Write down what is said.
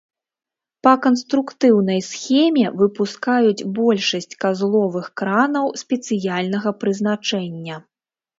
Па канструктыўнай схеме выпускаюць большасць казловых кранаў спецыяльнага прызначэння.